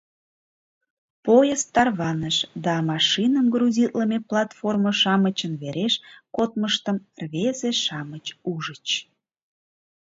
Поезд тарваныш да машиным грузитлыме платформо-шамычын вереш кодмыштым рвезе-шамыч ужыч.